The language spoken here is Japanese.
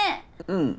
うん。